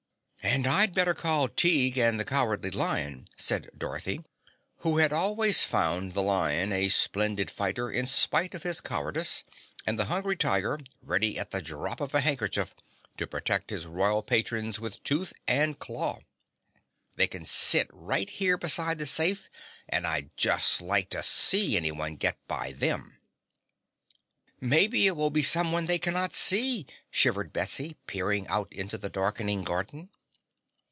"And I'd better call Tige and the Cowardly Lion," said Dorothy, who had always found the lion a splendid fighter in spite of his cowardice, and the Hungry Tiger, ready at the drop of a handkerchief to protect his royal patrons with tooth and claw. "They can sit right here beside the safe and I'd just like to see anyone get by them!" "Maybe it will be someone they cannot see," shivered Betsy, peering out into the darkening garden.